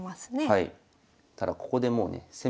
はい。